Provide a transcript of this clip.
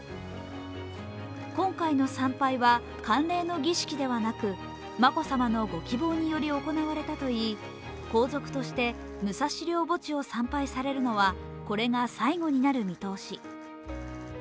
今回の参拝は慣例の儀式ではなく眞子さまのご希望により行われたといい皇族として武蔵陵墓地を参拝されるのはこれが最後になる見通し。